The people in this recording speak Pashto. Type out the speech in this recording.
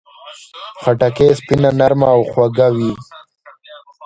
خټکی سپینه، نرمه او خوږه وي.